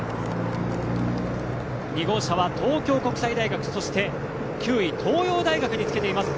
２号車は東京国際大学９位、東洋大学につけています。